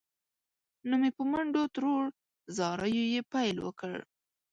نو مې په منډو تروړ، زاریو یې پیل وکړ.